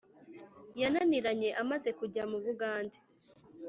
yananiranye amaze kujya mu bugande